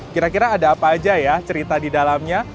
kira kira ada apa aja ya cerita di dalamnya